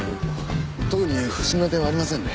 特に不審な点はありませんね。